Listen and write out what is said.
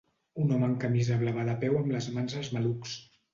Un home amb camisa blava de peu amb les mans als malucs.